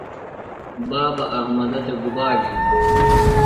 بابہ احمدہ تھےۡ گُبا گِھینوۡ ؟